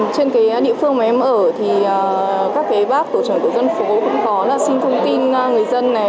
trên địa phương mà em ở thì các bác tổ trưởng của dân phố cũng có xin thông tin người dân này